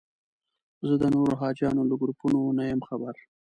زه د نورو حاجیانو له ګروپونو نه یم خبر.